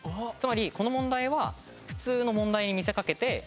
この問題は普通の問題に見せ掛けて。